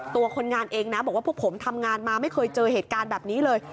คนงานเองนะบอกว่าพวกผมทำงานมาไม่เคยเจอเหตุการณ์แบบนี้เลย